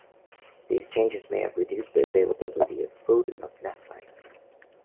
These changes may have reduced the availability of food and of nest sites.